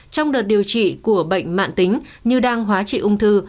trong đợt điều trị của bệnh mạng tính như đang hóa trị ung thư